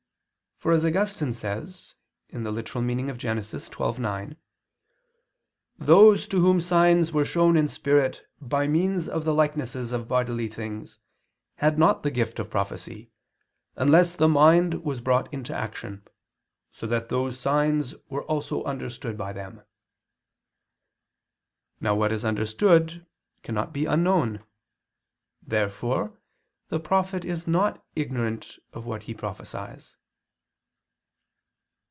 For, as Augustine says (Gen. ad lit. xii, 9), "those to whom signs were shown in spirit by means of the likenesses of bodily things, had not the gift of prophecy, unless the mind was brought into action, so that those signs were also understood by them." Now what is understood cannot be unknown. Therefore the prophet is not ignorant of what he prophesies.